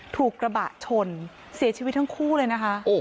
ถูกกระบะชนเสียชีวิตทั้งคู่เลยนะคะ